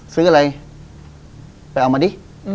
ซื้ออะไรไปเอามาดิ